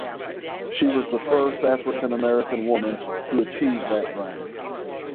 She was the first African American woman to achieve that rank.